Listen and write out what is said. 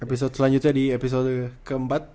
episode selanjutnya di episode keempat